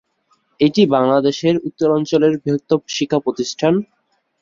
এটি বাংলাদেশের উত্তরাঞ্চলের বৃহত্তম শিক্ষাপ্রতিষ্ঠান।